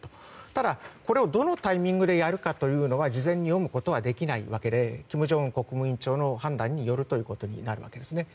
ただ、これをどのタイミングでやるかは事前に読むことはできないわけで金正恩氏の判断によることになると思います。